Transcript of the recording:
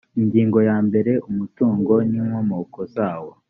ingingo ya mbere umutungo n inkomoko zawo